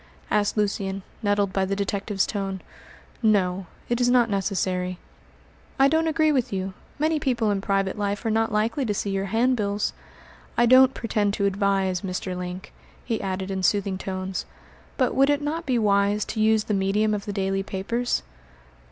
asked Lucian, nettled by the detective's tone. "No; it is not necessary." "I don't agree with you. Many people in private life are not likely to see your handbills. I don't pretend to advise, Mr. Link," he added in soothing tones, "but would it not be wise to use the medium of the daily papers?"